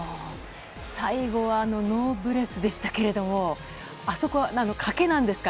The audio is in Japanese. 最後はノーブレスでしたけどあそこは賭けなんですか？